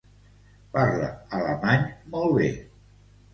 Parla alemany molt bé.